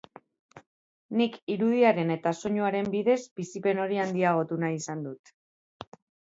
Nik irudiaren eta soinuaren bidez bizipen hori handiagotu nahi izan dut.